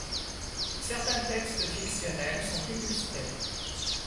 Certains textes fictionnels sont illustrés.